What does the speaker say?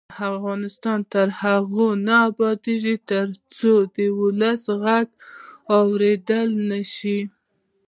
افغانستان تر هغو نه ابادیږي، ترڅو د ولس غږ واوریدل نشي.